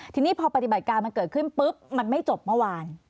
ทีนี้พอปฏิบัติการมันเกิดขึ้นปุ๊บมันไม่จบเมื่อวาน